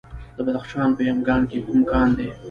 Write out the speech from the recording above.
د بدخشان په یمګان کې کوم کان دی؟